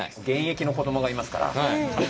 現役の子どもがいますから。